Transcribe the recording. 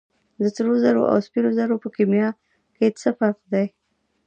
د سرو زرو او اوسپنې ترمنځ په کیمیا کې څه فرق دی